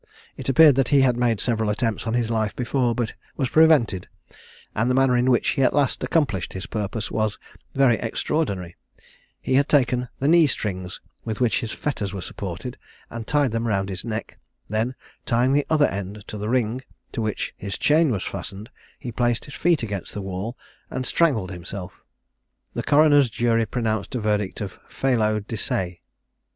It appeared that he had made several attempts on his life before, but was prevented: and the manner in which he at last accomplished his purpose was very extraordinary: he had taken the knee strings with which his fetters were supported, and tied them round his neck; then, tying the other end to the ring to which his chain was fastened, he placed his feet against the wall, and strangled himself. The coroner's jury pronounced a verdict of Felo de se.